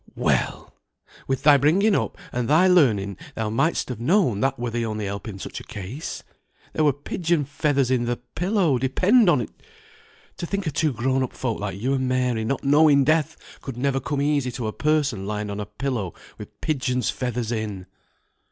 Well! with thy bringing up, and thy learning, thou might'st have known that were the only help in such a case. There were pigeons' feathers in the pillow, depend on't. To think of two grown up folk like you and Mary, not knowing death could never come easy to a person lying on a pillow with pigeons' feathers in!"